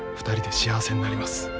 ２人で幸せになります。